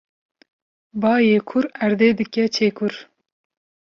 Bayê kûr erdê dike çekûr